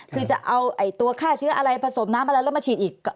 คือจะเอาตัวฆ่าเชื้ออะไรผสมน้ำอะไรแล้วมาฉีดอีก